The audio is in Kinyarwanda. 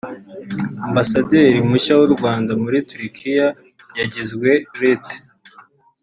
Ambasaderi mushya w’u Rwanda muri Turkiya yagizwe Lt